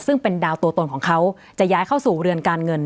ซึ่งเป็นดาวตัวตนของเขาจะย้ายเข้าสู่เรือนการเงิน